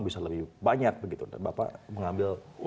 bisa lebih banyak bapak mengambil